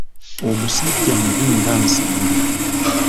Omusajja mubi nga Nsanja.